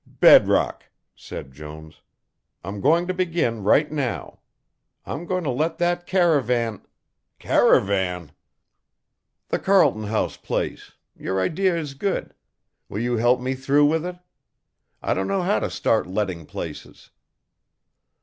"Bedrock," said Jones. "I'm going to begin right now. I'm going to let that caravan " "Caravan!" "The Carlton House place, your idea is good, will you help me through with it? I don't know how to start letting places."